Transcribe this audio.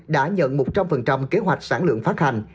đã nhận một trăm linh kế hoạch sản lượng phát hành